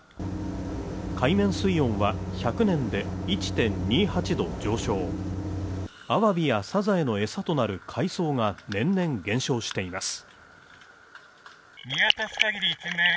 海面水温は１００年で１．２８度上昇アワビやサザエの餌となる海藻が年々減少しています